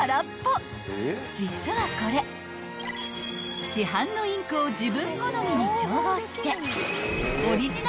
［実はこれ市販のインクを自分好みに調合して］